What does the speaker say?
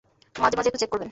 মাঝে মাঝে একটু চেক করবেন।